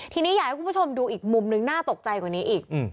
ทีนี้อยากให้คุณผู้ชมดูอีกมุมนึงน่าตกใจกว่านี้อีก